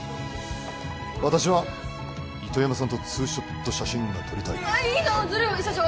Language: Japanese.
私は糸山さんとツーショット写真が撮りたいいいなずるい社長